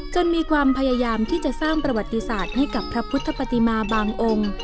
มีความพยายามที่จะสร้างประวัติศาสตร์ให้กับพระพุทธปฏิมาบางองค์